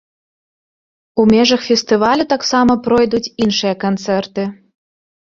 У межах фестывалю таксама пройдуць іншыя канцэрты.